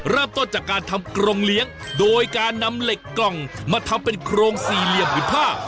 เริ่มต้นจากการทำกรงเลี้ยงโดยการนำเหล็กกล่องมาทำเป็นโครงสี่เหลี่ยมหรือผ้า